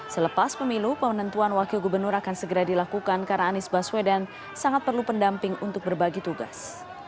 selepas pemilu penentuan wakil gubernur akan segera dilakukan karena anies baswedan sangat perlu pendamping untuk berbagi tugas